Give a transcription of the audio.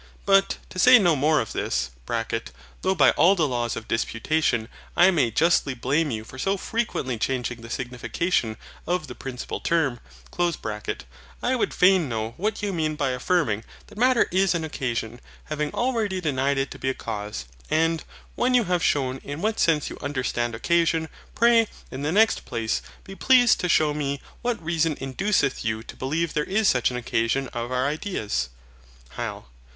But, to say no more of this (though by all the laws of disputation I may justly blame you for so frequently changing the signification of the principal term) I would fain know what you mean by affirming that matter is an occasion, having already denied it to be a cause. And, when you have shewn in what sense you understand OCCASION, pray, in the next place, be pleased to shew me what reason induceth you to believe there is such an occasion of our ideas? HYL.